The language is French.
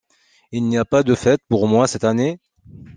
Il n’y a pas de fête pour moi cette année.